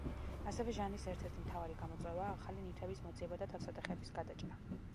ასევე ჟანრის ერთ-ერთი მთავარი გამოწვევაა ახალი ნივთების მოძიება და თავსატეხების გადაჭრა.